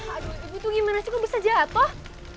aduh ibu tuh gimana sih kok bisa jatuh